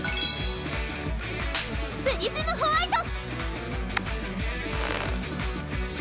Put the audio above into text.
プリズムホワイト！